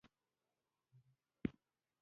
توت خوري